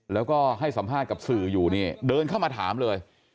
แล้วก็ให้สัมภาษณ์กับสื่ออยู่นี่เดินเข้ามาถามเลย